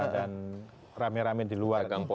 dan rame rame di luar